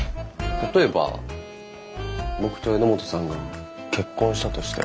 例えば僕と榎本さんが結婚したとして。